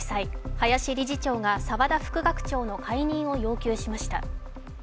林理事長が澤田副学長の解任を要求しました。